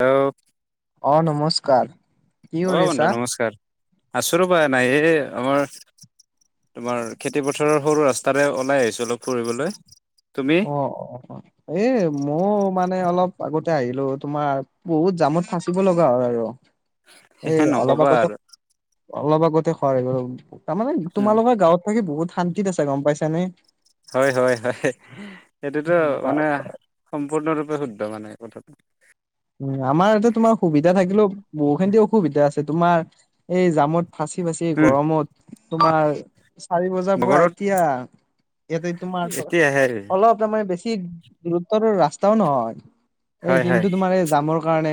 অ অ নমস্কাৰ কি অ কৰি বন্ধু আছা? নমস্কাৰ আছো ৰবা এনাই এই আমাৰ তোমাৰ খেতি পথাৰৰ সৰু ৰাস্তাৰে ওলাই আহিছো অলপ ফুৰিবলৈ। তুমি অ অ অ এ মই মানে অলপ আগতে আহিলো তোমাৰ বহুত জামত ফাচিব লগা হয়। আৰু এ সেহে অলপ নকবা আগত আৰু অলপ আগতে হয় আৰু তাৰমানে উম তোমালোকৰ গাঁৱত থাকি বহুত শান্তিত আছে গ'ম পাইছানে। হয় হয় হয় এইটোতো মানে বাপৰে সম্পূৰ্ণৰূপে শুদ্ধ মানে কথাটো উ আমাৰ ইয়াতে তোমাৰ সুবিধা থাকিলেও বহুখিনি অসুবিধা আছে। তোমাৰ এই জামত ফাঁচি ফাচি উম গৰমত তোমাৰ চাৰি বজাৰ পৰা বগৰত এতিয়া। এইতিয়া তোমাৰ ত এতিয়াহে অলপ তাৰ মানে বেছি দূত্বৰ ৰাস্তাও নহয় এই হয় হয় কিন্তু তোমাৰ জামৰ কাৰণে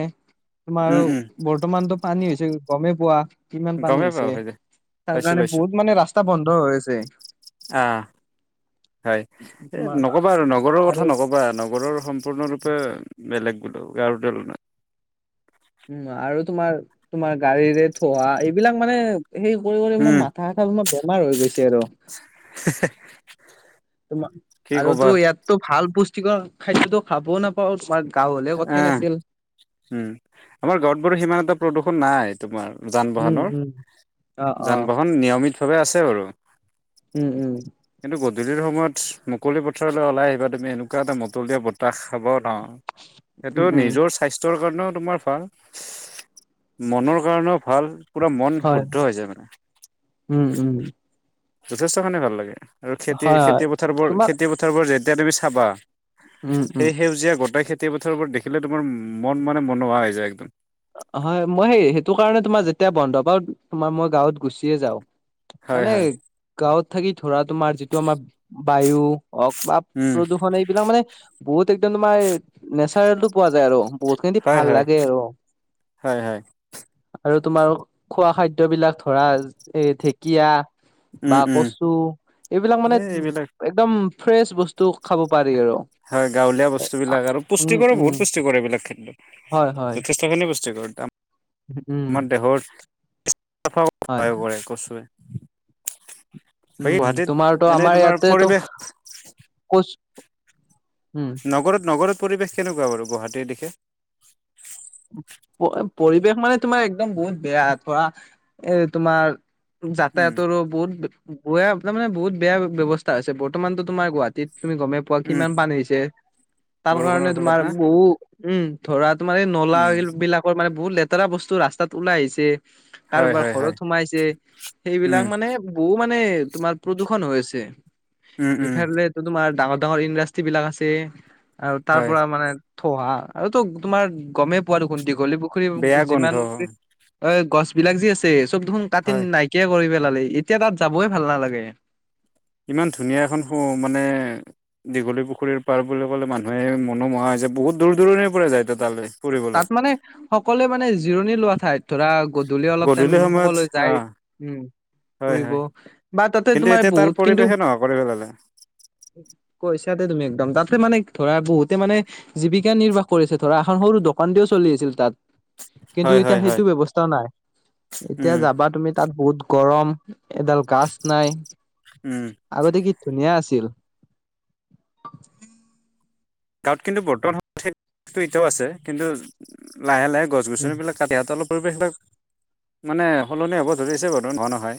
তোমাৰ উম উম বৰ্তমানতটো পানী হৈছে গমেই পোৱা। কিমান পানী গমেই পাওঁ হৈছে হয় দে তাৰ পাইছো কাৰণে বহুত মানে ৰাস্তা বন্ধ হৈ আছে। অ হয় তোমাৰ নকবা আৰু নগৰৰ আৰু কথা নক'বা নগৰৰ সম সম্পূৰ্ণ ৰূপে বেলেগ বোলো কাৰো ডালো নাই। উম আৰু তোমাৰ তোমাৰ গাড়ীৰে থোৱা এইবিলাক মানে সেই কৰি কৰি ইাৰ মাথা খাৰ বেমাৰ হৈ গৈছে। আৰু- হে তোমাৰ আৰু তো ইয়াতো ভাল পুষ্টিকৰ খাদ্যতো খাবও নাপাও তোমাক- অ উম আমাৰ ঘৰ বোৰো সিমান এটা প্ৰদূষণ নাই। তোমাৰ যান উম বাহনৰ উম অ অ যান বাহন নিয়মিতভাৱে আছে বাৰু- উম উম কিন্তু গধূলিৰ সময়ত মুকলি পথাৰলৈ ওলাই আহিবা তুমি এনেকুৱা এটা মতলীয়া বতাহ খাব নাৰওঁ সেইটো উম উম নিজৰ স্বাস্থ্যৰ কাৰণেও তোমাৰ ভাল। মনৰ কাৰণেও ভাল পুৰা মন হয় শুদ্ধ হৈ যায় মানে উম উম যথেষ্টখিনি ভাল লাগে। আৰু খেতি হয় হয় খেতিপথাৰবোৰ তোমাক খেতি পথাৰবোৰ যেতিয়া তুমি চাবা উম উম সেই সেউজীয়া গোটেই খেতি গোটেই পথাৰবোৰ দেখিলে তোমাৰ মন মানে মনোহোৱা হৈ যায় একদম হয় মই সেই সেইটো কাৰণে তোমাৰ যেতিয়া বন্ধ পাওঁ তোমাৰ মই গাঁৱত গুচিয়ে যাওঁ- হয় মানে হয়, গাঁৱত থাকি ধৰা তোমাৰ যিটো আমাৰ বায়ু, হওক বা উম, প্ৰদূষণ এইবিলাক মানে বহুত একদম তোমাৰ নেচাৰেলটো পোৱা যায় আৰু বহুত খিনি হয় ভাল লাগে আৰু হয়। আৰু তোমাৰ খোৱা খাদ্য বিলাক ধৰা এ ঠিক ঢেকিয়াল, উম, বা উম, কচু, এইবিলাক মানে এই এইবিলাক একদম ফ্ৰেচ বস্তু- তো খাব পাৰি আৰু হয় গাঁৱলীয়া বস্তু বিলাক আৰু উম পুষ্টিকৰে উম বহুত পুষ্টিকৰে এইবিলাক খাদ্য হয় হয় যে- সেইখিনি বস্তু কৰ উম আমাৰ দেহৰ হয় সহায় কৰে কচুৱে বাকী উম গুৱাহাটীত তোমাৰতো এনে আমাৰ তোমাৰ ইয়াতেতো পৰিৱেশ কচু উম নগৰত নগৰ পৰিৱেশ কেনেকুৱা বাৰু গুৱাহাটীৰ দিশে পৰিৱেশ মানে তোমাৰ একদম বহুত বেয়া ধৰা এ তোমাৰ উম যাতায়াতৰো বহুত গোৱা তাৰ মানে বহুত বেয়া ব্যৱস্থা আছে বৰ্তমানতো তোমাৰ গুৱাহাটীত তুমি গমেই পোৱা উম কিমান পানী হৈছে তাৰ বৰষুণৰ কাৰণে ফলত তোমাৰ না বহু উম ধৰা তোমাৰ এ কলা উম ৰিল বিলাকৰ মানে বহুত লেতেৰা বস্তু ৰাস্তাত ওলাই আহিছে। হয় কাৰোবাৰ হয় ঘৰত হয় সোমাইছে সেইবিলাক উম মানে বহু মানে তোমাৰ প্ৰদূষণ হৈছে উম উম ইফালে এইটো তোমাৰ ডাঙৰ ডাঙৰ ইণ্ডাষ্ট্ৰ্ৰী বিলাক আছে আৰু তাৰ হয় পৰা মানে থহা আৰুতো তোমাৰ গমেই পোৱা দেখোন দীঘলী পুখুৰী বেয়া গোন্ধ যিমান টি অ গছ বিলাক যি আছে চব দেখোন কাটি হয় নাইকিয়া কৰি পেলালে এতিয়া তাত যাবই ভাল নালাগে। ইমান ধুনীয়া এখন স মানে দীঘলী পুখুৰীৰ পাৰ বুলি ক'লে মানুহে মনোমোহা হৈছে বহুত দূৰ-দূৰণিৰ পৰা যায় ত তালৈ। ফুৰিবলৈ তাত মানে সকলোৱে মানে জিৰণি লোৱা ঠাইত ধৰা গধূলি অলপ টাইম সময়ত সকলোৱে অ যায় উম উ উ। হয় হয় ফুৰিব বা তাতে কিন্তু তোমাৰ এতিয়া তাৰ বহুত কিন্তু পৰিৱেশে নোহোৱা কৰি পেলালে। কৈছাতে তুমি একদম তাতে মানে ধৰা বহুতে মানে জীৱিকা নিৰ্বাহ কৰিছে ধৰা এখন সৰু দোকান দিও চলি আছিল তাত। কিন্তু হয় এতিয়া হয় হয়। সেইটো ব্যৱস্থা নাই এতিয়া উম যাবা তুমি তাত বহুত গৰম এডাল গাছ নাই উম আগতে কি ধুনীয়া আছিল। গাঁৱত কিন্তু বৰ্তমান সময়ত হে এইটো এতিয়াও আছে কিন্তু লাহে-লাহে গছ উম গছনিবিলাক কাটইতে অলপ পৰিৱেশবিলাক মানে সলনি হ'ব ধৰিছে বাৰু নোহোৱা নহয়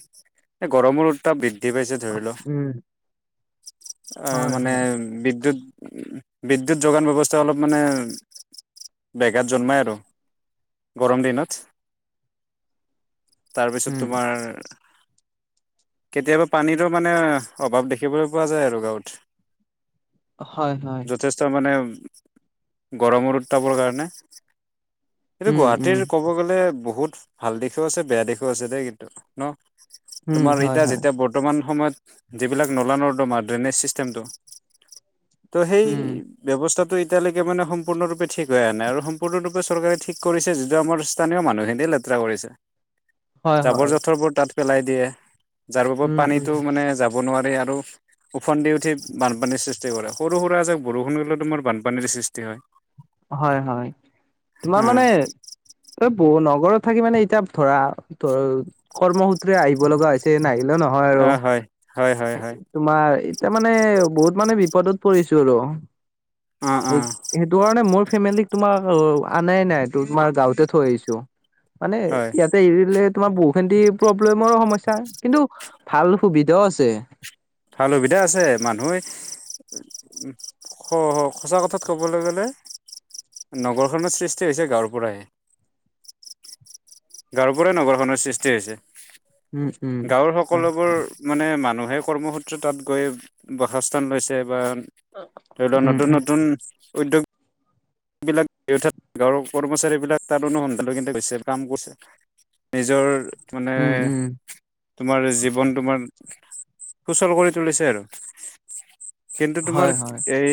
এই গৰমত তাপ বৃদ্ধি পাইছে ধৰিলও। চি চিৰিপ চিৰিপ উম চিৰিপ আহ হয় মানে হয় বিদ্যুৎ উহ বিদ্যুৎ যোগান ব্যৱস্থা অলপ মানে বেঘাত জন্মায় আৰু গৰম দিনত। তাৰপিছত উম তোমাৰ কেতিয়াবা পানীৰো মানে অভাৱ দেখিবলৈ পোৱা যায় আৰু গাঁৱত। হয় হয়। যথেষ্ট মানে গৰমৰ উত্তাপৰ কাৰণে এইটো উম উম গুৱাহাটীৰ ক'ব গ'লে বহুত ভাল দিশো আছে বেয়া দিশো আছে দেই কিন্তু ন, উম, তোমাৰ হয়, এতিয়া হয়, যেতিয়া ব বৰ্তমান সময়ত যিবিলাক নলা-নৰ্দমা ড্ৰেইনেজ চিষ্টেমটো। তো সেই উম, ব্যৱস্থাটো এতিয়ালৈকে মানে সম্পূৰ্ণৰূপে ঠিক হৈ আনে আৰু সম্পূৰ্ণৰূপে চৰকাৰে ঠিক কৰিছে যিটো আমাৰ স্থানীয় মানুহখিনিয়ে লেতেৰা কৰিছে। [inaudible] হয়, জাবৰ-জোথৰ বোৰ তাত পেলাই দিয়ে যাৰ বাবত উম, উম, পানীটো মানে জাব হব নোৱাৰে আৰু ওফন্দি উঠি বানপানীৰ সৃষ্টি কৰে। সৰু-সুৰা এজাক বৰষুণ হ'লেও তোমাৰ বানপানীৰ সৃষ্টি হয়। হয় হয়, তোমাৰ উম, মানে এই বহু নগৰত থাকি মানে এতিয়া ধৰা তৰল কৰ্মসূত্ৰে আহিব লগা হৈছে নাহিলে ন অ, হয় হয় হয় হয়। তোমাৰ এতিয়া মানে বহুত মানে বিপদত পৰিছো আৰু অঁ অঁ এই অঁ। সেইটো কাৰণে মোৰ ফেমিলী তোমাৰ ও ও ও আনাই নাই ত তোমাৰ গাঁৱতে থৈ আহিছো। মানে হয় ইয়াত এতিয়া এৰিদিলে তোমাৰ বহু খিনি প্ৰব্লেমৰো সমস্যা হয়, কিন্তু ভাল সুবিধাও আছে। ভাল সুবিধা আছে, মানুহে উ- স স সঁচা কথাত ক'বলৈ গ'লে নগৰখনো সৃষ্টি হৈছে গাঁৱৰ পৰাই। গাঁৱৰ পৰাই নগৰখনৰ সৃষ্টি হৈছে, উম, উম, গাঁৱৰ উম, সকলোবোৰ মানে মানুহে কৰ্মসূত্ৰে তাত গৈ বাসস্থান লৈছে বা- ধৰিল উম, নতুন নতুন উদ্যোগ - মানুহ বিলাকত অৰ্থাৎ গাঁৱৰ কৰ্মচাৰী বিলাক তাত অনুসন্ধান লৈ গৈছে কাম কৰিছে। নিজৰ মানে উম, উম, - তোমাৰ জীৱন তোমাৰ সুচল কৰি তুলিছে আৰু। কিন্তু তোমাৰ হয়, হয়, এই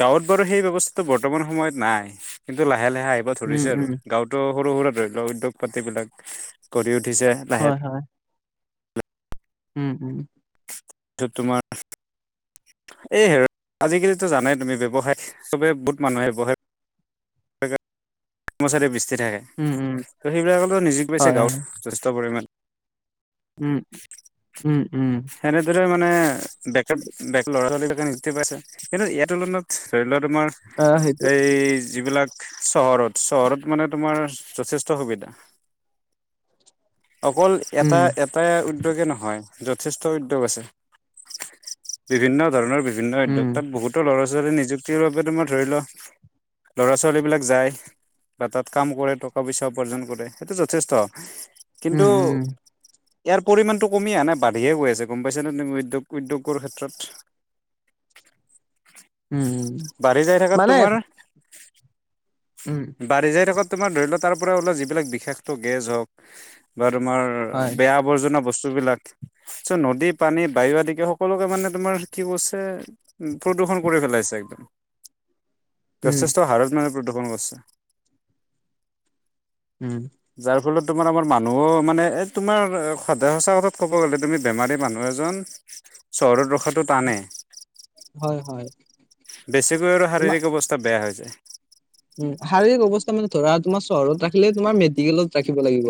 গাঁৱত বাৰু সেই ব্যৱস্থাটো বৰ্তমান - বৰ্তমান সময়ত নাই, কিন্তু লাহে লাহে আহিব উম, ধৰিছে আৰু উম, গাঁৱত - টো সৰু সুৰা ধৰি লওক উদ্যোগ পাতি বিলাক গঢ়ি উঠিছে। লাহে হয়, হয়। উম, উম। টো তোমাৰ - এই হে আজিকালিতো জানে তুমি ব্যৱসায় চবে বহুত মানুহে বহে। কৰ্মচাৰী ব্যস্ত থাকে উম উম ত' সেইবিলাকলৈ নিযুক্ত পাইছে হয় হয় গাঁৱত যথেষ্ট পৰিমাণ। উম, উম উম। সেনেদৰে মানে বে বে ল'ৰা ছোৱালী বিলাক। পাইছে, কিন্তু ইয়াৰ তুলনাত ধৰি লোৱা তোমাৰ আহ সেইটো এই - যিবিলাক চহৰত, চহৰত মানে তোমাৰ যথেষ্ট সুবিধা। অকল এটা উম এটা - এটা উদ্যোগ নহয়, যথেষ্ট উদ্যোগ আছে, বিভিন্ন ধৰণৰ বিভিন্ন - বিভিন্ন উম উদ্যোগ, তাত বহুতো ল'ৰা ছোৱালী নিযুক্তিৰ বাবে তোমাৰ ধৰিল - ল'ৰা ছোৱালীবিলাক যায়। বা তাত কাম কৰে টকা পইচা উপাৰ্জন কৰে, সেইটো যথেষ্ট, উম কিন্তু উম - ইয়াৰ পৰিমাণটো কমি আহে নাই বাঢ়িয়ে গৈ আছে, গম পাইছ নে উদ্যোগ উদ্যোগৰ ক্ষেত্ৰত। উম, উম। বাঢ়ি যাই থাকাত মানে তোমাৰ - উম, বাঢ়ি যাই থাকাত তোমাৰ ধৰি লোৱা তাৰ পৰা ওলোৱা যিবিলাক বিষাক্ত গেছ হওক বা তোমাৰ - তোমাৰ হয় বেয়া - আৱৰ্জনা বস্তু বিলাক, চ্ নদী পানী বায়ু আদিকে সকলোকে মানে তোমাৰ কি কৈছে - উম প্ৰদূষণ কৰি পেলাইছে একদম। উম যথেষ্ট হাৰত মানে প্ৰদূষণ কৰিছে। উম, যাৰ ফলত তোমাৰ আমাৰ মানুহো মানে এ তোমাৰ সদায় সঁচা কথাত ক'ব গ'লে তুমি - বেমাৰী মানুহ এজন চহৰত ৰখাটো টানে। হয়, হয় বেছিকৈ আৰু তোমাৰ শাৰীৰিক অৱস্থা বেয়া হৈ যায়। উম, শাৰীৰিক অৱস্থা মানে ধৰা তোমাৰ চহৰত ৰাখিলে তোমাৰ মেডিকেলত ৰাখিব লাগিব।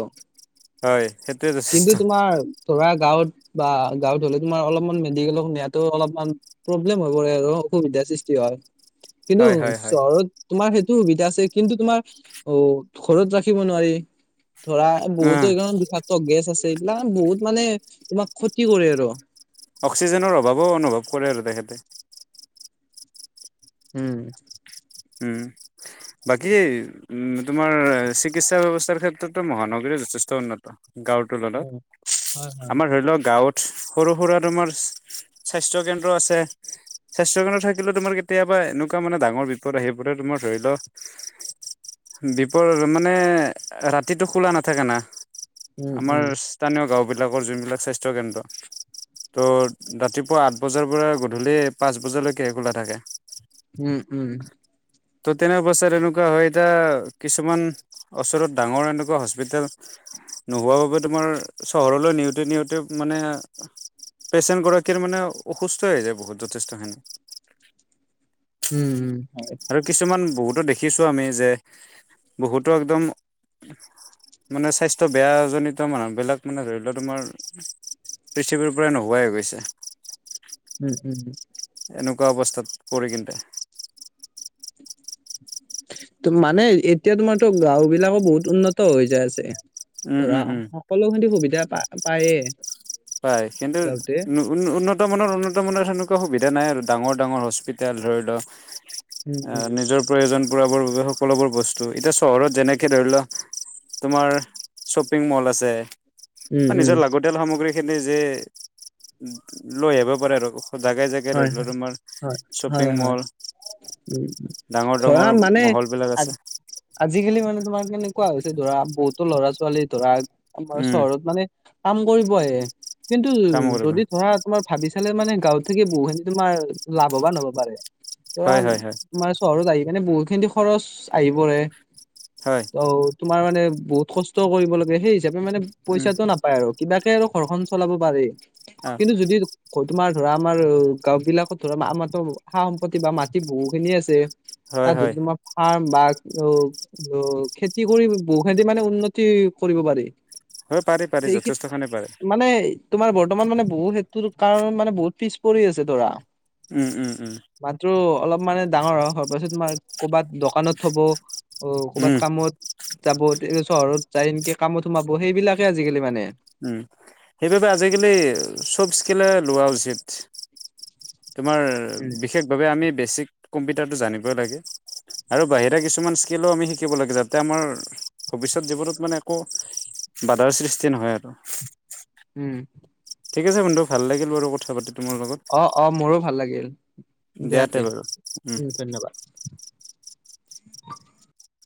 হয়, সেইটোৱে কিন্তু যথেষ্ট তোমাৰ ধৰা গাঁৱত বা গাঁৱত হলে তোমাৰ অলপমান মেডিকেলত নিয়াতো অলপমান - প্ৰব্লেম হৈ পৰে আৰু অসুবিধাৰ সৃষ্টি হয়, কিন্তু হয় হয় হয় চহৰত - তোমাৰ সেইটো সুবিধা আছে, কিন্তু তোমাৰ অ ঘৰত ৰাখিব নোৱাৰি। ধৰা বহুতো উম এইবোন বিষাক্ত গেছ আছে এইবিলাক বহুত মানে তোমাক ক্ষতি কৰে আৰু অক্সিজেনৰ অভাৱো অনুভৱ কৰে আৰু তেখেতে উম উম বাকী এই উম তোমাৰ চিকিৎসা ব্যৱস্থাৰ ক্ষেত্ৰতো মহানগৰী যথেষ্ট উন্নত গাঁৱত তুলনাত হয় হয়। আমাৰ ধৰি লওঁক গাঁৱত সৰু সৰুৱা তোমাৰ স্বাস্থ্য কেন্দ্ৰ আছে স্বাস্থ্য কেন্দ্ৰ থাকিলেও তোমাৰ কেতিয়াবা এনেকুৱা মানে ডাঙৰ বিপদ আহি পৰে তোমাৰ ধৰি লও বিপদ মানে ৰাতিটো খোলা নাথাকে না উম আমাৰ উম স্থানীয় গাঁওবিলাকৰ যোনবিলাক স্বাস্থ্যক কেন্দ্ৰ ত' ৰাতিপুৱা আঠ বজাৰ পৰা গধূলি পাঁচ বজালৈকে খোলা থাকে উম উম ত' তেনে অৱস্থা এনেকুৱা হয় যায় কিছুমান ওচৰত ডাঙৰ এনেকুৱা হস্পিতেল নোহোৱা বাবে তোমাৰ চহৰলৈ নিওঁতে নিওঁতে মানে প্ৰেচেণ্ট গৰাকীৰ মানে অসুস্থ হৈ যায় বহুত যথেষ্টখিনি উম উম হয় আৰু কিছুমান বহুতো দেখিছোঁ আমি যে বহুতো একদম মানে স্বাস্থ্য বেয়াজিত মানুহবিলাক মানে ধৰি লও তোমাৰ পৃথিৱীৰ পৰাই নোহোৱাই গৈছে উম উম উম এনেকুৱা অৱস্থাত পৰি কিন্তে ত মানে এতিয়া তোমাৰতো গাওঁ বিলাকো বহুত উন্নত হৈ যায় আছে উম উম ধৰা উম সকলোখিনি সুবিধা পা পায়েই হয় কিন্তু উ উ উন্নতমানানৰ উন্নতমানানৰ সেনেকুৱা সুবিধা নাই আৰু ডাঙৰ ডাঙৰ হস্পিতেল ধৰি লওঁক উম আহ উম নিজৰ প্ৰয়োজন পূৰাৰ বাবে সকলোবোৰ বস্তু এতিয়া চহৰত যেনেকে ধৰি লোৱা তোমাৰ শ্বপিং মল আছে উম অ উম নিজৰ লাগতিয়াল সামগ্ৰী খিনি যে লৈ আহিব পাৰে আৰু জেগাই জেগাই হয় ধৰি হয় লোৱা তোমাৰ হয় হয় শ্বপিং হয় মল উম, ডাঙৰ ধৰা ডাঙৰ মানে মহল বিলাক আ আছে আজিকালি মানে তোমাৰ কেনেকুৱা হৈছে ধৰা বহুতো ল'ৰা ছোৱালী ধৰা আমাৰ উম চহৰত মানে কাম কৰিব আহে কিন্তু কাম কৰিব যদি ধৰা তোমাৰ ভাবি চালে মানে গাঁৱত থাকি বহু খিনি তোমাৰ লাভৱান হ'ব পাৰে ধৰা হয় হয় হয় তোমাৰ চহৰত আহি কেনে বহুত খিনি খৰচ আহি পৰে হয়। অ', তোমাৰ মানে বহুত কষ্ট কৰিব লাগে সেই হিচাপে মানে উম পইচাটো নাপায় আৰু কিবাকে আৰু ঘৰখন চলাব পাৰি অ কিন্তু যদি ‌ হয় তোমাৰ ধৰা আমাৰ গাঁও বিলাকত ধৰ আমাৰতো সা সম্পত্তি বা মাটি বহু খিনি আছে হয় তাত হয় দুদিন মান ফাৰ্ম বা অ', তো খেতি কৰি বহু খেতি মানে উন্নতি কৰিব পাৰি। হয় পাৰি পাৰি সেইখিনি যথেষ্টখিনি পাৰে মানে তোমাৰ বৰ্তমান মানে বহুত সেইটোৰ কাৰণ মানে বহুত পিছ পৰি আছে ধৰা উম, উম, উম। মাত্ৰ অলপ মানে ডাঙৰ হ হোৱাৰ পাছত তোমাৰ কৰবাত দোকানত থ'ব অ', উম ক'বাত কামত যাব চহৰত যায় এনেকে কামত সোমাব সেইবিলাকে আজিকালি মানে। উম, সেইবাবে আজিকালি সব স্কিলে লোৱা উচিত। তোমাৰ উম বিশেষভাৱে আমি বেচিক কম্পিউটাৰটো জানিবই লাগে। আৰু বাহিৰা কিছুমান স্কিলো আমি শিকিব লাগে যাতে আমাৰ ভৱিষ্যত জীৱনত মানে একো বাধাৰ সৃষ্টি নহয় আৰু। উম। ঠিক আছে বন্ধু ভাল লাগিল বাৰু কথা পাতি তোমাৰ লগত। অ', অ', মোৰো ভাল লাগিল দিয়া তে উম, ধন্যবাদ।